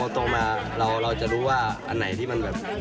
โตมาเราจะรู้ว่าอันไหนที่มันแบบ